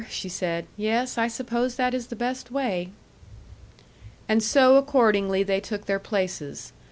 she said. "Yes, I suppose that is the best way." And so, accordingly, they took their places.